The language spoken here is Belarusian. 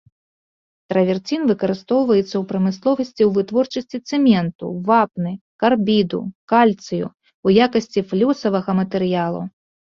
Траверцін выкарыстоўваецца ў прамысловасці ў вытворчасці цэменту, вапны, карбіду кальцыю, у якасці флюсавага матэрыялу.